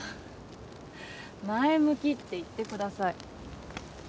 前向きって言ってください